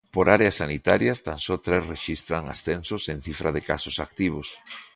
Por áreas sanitarias, tan só tres rexistran ascensos en cifra de casos activos.